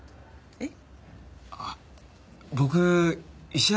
えっ。